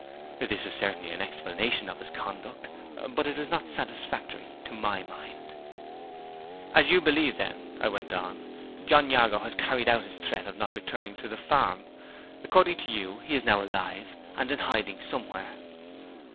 (This was certainly an explanation of his conduct; but it was not satisfactory to my mind.) "As you believe, then," I went on, "John Jago has carried out his threat of not returning to the farm? According to you, he is now alive, and in hiding somewhere?"